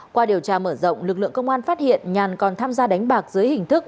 qua điều tra mở rộng lực lượng công an phát hiện nhàn còn tham gia đánh bạc dưới hình thức